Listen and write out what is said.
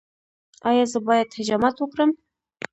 ایا زه باید حجامت وکړم؟